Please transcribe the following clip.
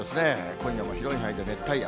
今夜も広い範囲で熱帯夜。